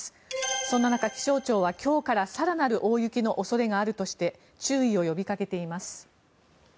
そんな中、気象庁は今日から更なる大雪の恐れがあるとして注意を呼びかけています。